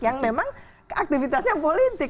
yang memang aktivitasnya politik